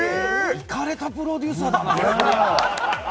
イカれたプロデューサーだな。